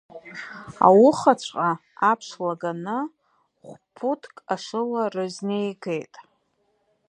Аухаҵәҟьа аԥш лаганы, хә-ԥуҭк ашыла рызнеигеит.